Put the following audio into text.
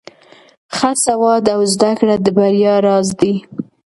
ښه سواد او زده کړه د بریا راز دی.